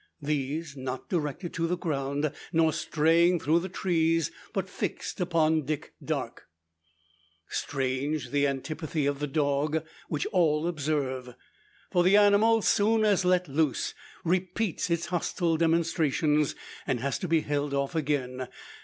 These, not directed to the ground, nor straying through the trees, but fixed upon Dick Darke. Strange the antipathy of the dog, which all observe! For the animal, soon as let loose, repeats its hostile demonstrations, and has to be held off again.